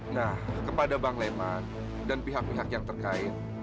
nah kepada bang leman dan pihak pihak yang terkait